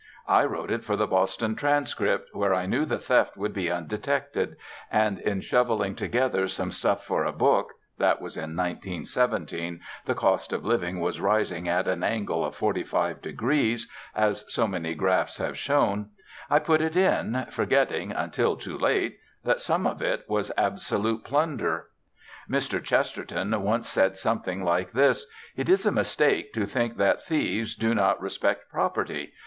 I wrote it for the Boston Transcript, where I knew the theft would be undetected; and in shoveling together some stuff for a book (that was in 1917, the cost of living was rising at an angle of forty five degrees, as so many graphs have shown) I put it in, forgetting (until too late) that some of it was absolute plunder. Mr. Chesterton once said something like this: "It is a mistake to think that thieves do not respect property.